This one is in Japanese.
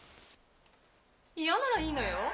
嫌ならいいのよ？